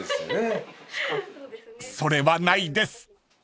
［それはないです］